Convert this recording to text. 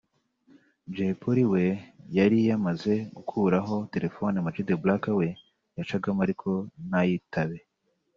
Jay Polly we yari yamaze gukuraho telefone Amag The Black we yacagamo ariko ntayitabe